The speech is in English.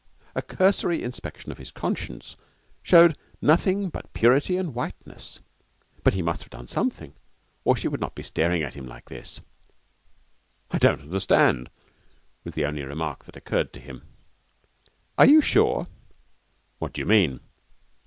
A cursory inspection of his conscience showed nothing but purity and whiteness, but he must have done something, or she would not be staring at him like this. 'I don't understand!' was the only remark that occurred to him. 'Are you sure?' 'What do you mean?'